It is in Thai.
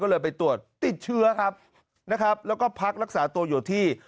ก็เลยไปตรวจติดเชื้อครับนะครับแล้วก็พักรักษาตัวอยู่ที่